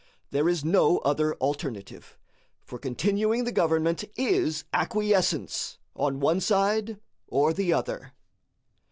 There is no other alternative; for continuing the government is acquiescence on one side or the other.